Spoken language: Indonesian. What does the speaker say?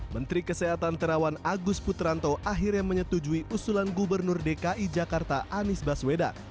menteri kesehatan terawan agus putranto akhirnya menyetujui usulan gubernur dki jakarta anies baswedan